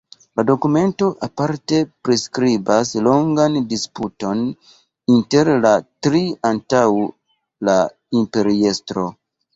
La dokumento aparte priskribas longan disputon inter la tri antaŭ la imperiestro.